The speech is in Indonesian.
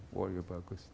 wah itu bagus